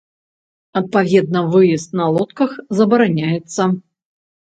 Адпаведна выезд на лодках забараняецца.